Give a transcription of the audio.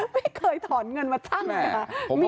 ไม่เคยถอนเงินมาชั่งค่ะ